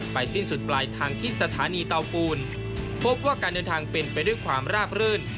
สิ้นสุดปลายทางที่สถานีเตาปูนพบว่าการเดินทางเป็นไปด้วยความราบรื่น